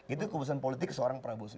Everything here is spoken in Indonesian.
itu keputusan politik seorang prabowo